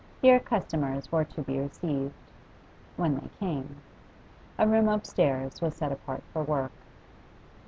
Here customers were to be received when they came; a room upstairs was set apart for work.